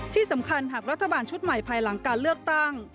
ที่สำคัญหากรัฐบาลชุดใหม่ภายหลังการเลือกตั้ง